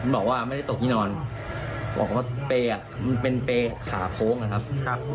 บอกว่าไม่ได้ตกที่นอนบอกว่าเปรย์มันเป็นเปรย์ขาโค้งนะครับ